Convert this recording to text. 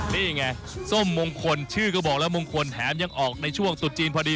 นี่ไงส้มมงคลชื่อก็บอกแล้วมงคลแถมยังออกในช่วงตุจจีนพอดี